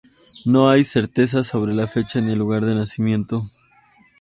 No hay certezas sobre la fecha ni el lugar de nacimiento.